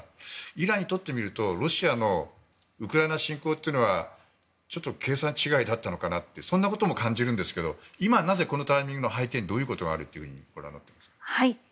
イランにとってみるとロシアのウクライナ侵攻はちょっと計算違いだったのかなとそんなことも感じますがなぜ今、このタイミングでという背景にどういうことがあると思いますか？